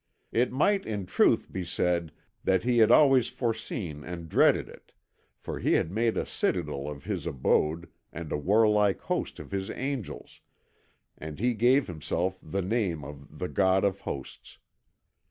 It might in truth be said that he had always foreseen and dreaded it, for he had made a citadel of his abode and a warlike host of his angels, and he gave himself the name of the God of Hosts.